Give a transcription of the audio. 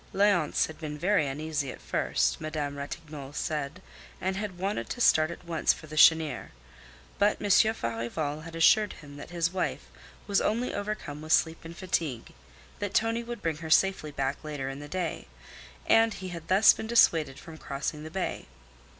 Léonce had been very uneasy at first, Madame Ratignolle said, and had wanted to start at once for the Chênière. But Monsieur Farival had assured him that his wife was only overcome with sleep and fatigue, that Tonie would bring her safely back later in the day; and he had thus been dissuaded from crossing the bay.